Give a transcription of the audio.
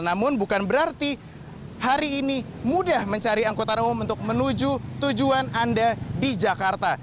namun bukan berarti hari ini mudah mencari angkutan umum untuk menuju tujuan anda di jakarta